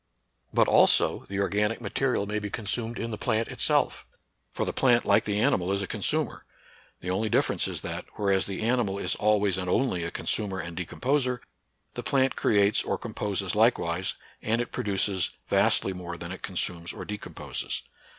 But also the organic material may be con sumed in the plant itself. For the plant, like the animal, is a consumer. The only difference is that, whereas the animal is always and only a consumer and decomposer, the plant creates or composes likewise, and it produces vastly more than it consumes or decomposes.